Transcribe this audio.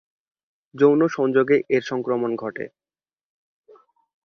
যৌন সংযোগে এর সংক্রমণ ঘটে।